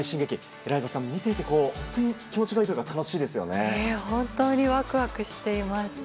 エライザさん見ていて気持ちがいいというか本当にワクワクしています。